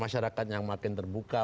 masyarakat yang makin terbuka